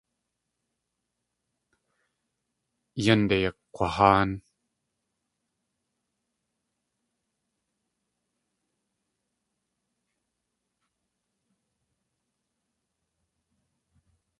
Yánde kg̲waháan.